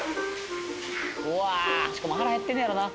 うわーしかも腹減ってんねやろな